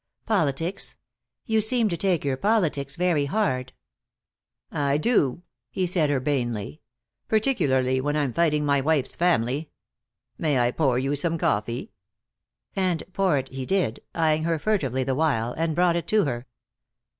"Politics? You seem to take your politics very hard." "I do," he said urbanely. "Particularly when I am fighting my wife's family. May I pour you some coffee?" And pour it he did, eyeing her furtively the while, and brought it to her.